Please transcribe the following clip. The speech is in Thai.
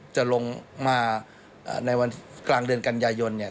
จะลงมาในวันกลางเดือนกันยายนเนี่ย